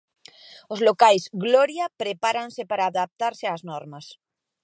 Os locais, Gloria, prepárense para adaptarse ás normas...